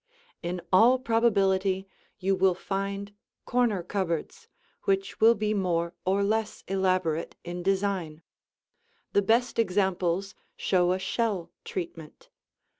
In all probability you will find corner cupboards which will be more or less elaborate in design. The best examples show a shell treatment.